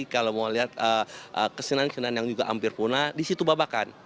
kalau mau lihat kesenian kesenian yang juga hampir punah di situ babakan